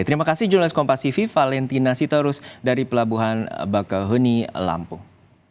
terima kasih jurnalis kompas tv valentina sitorus dari pelabuhan mbak kahuni lampung